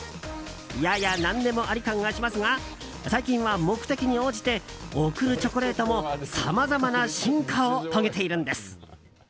やや何でもあり感がしますが最近は目的に応じて贈るチョコレートもさまざまな進化を遂げているんです。